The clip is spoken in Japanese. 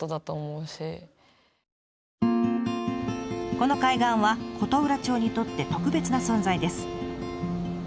この海岸は琴浦町にとって特別な存在です。